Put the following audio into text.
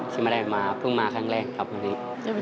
ซึ่งไม่ได้มาเพิ่งมาครั้งแรกครับวันนี้